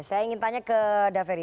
saya ingin tanya ke daveri